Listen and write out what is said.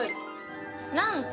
なんと